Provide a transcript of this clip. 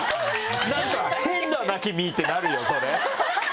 「なんか変だな君」ってなるよそれ。